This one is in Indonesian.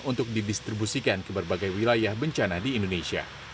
untuk didistribusikan ke berbagai wilayah bencana di indonesia